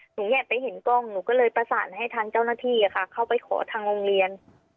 แอบไปเห็นกล้องหนูก็เลยประสานให้ทางเจ้าหน้าที่เข้าไปขอทางโรงเรียน